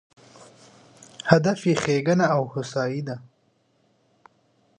هدف یې ښېګڼه او هوسایي وي.